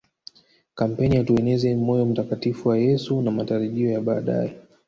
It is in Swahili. kampeni ya tueneze moyo mtakatifu wa Yesu na matarajio ya baadae